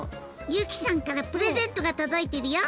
由起さんからプレゼントが届いているよ！